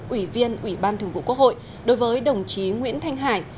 ủy viên ủy ban thường vụ quốc hội đối với đồng chí nguyễn thanh hải